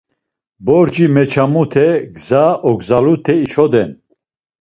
Borci meçamute, gza ogzalute içoden.